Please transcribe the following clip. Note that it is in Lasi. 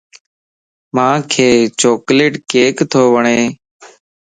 مانک چوڪليٽ ڪيڪ تو وڻ